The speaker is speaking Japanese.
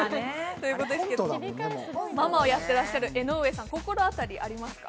ママをやっていらっしゃる江上さん、心当たりありますか？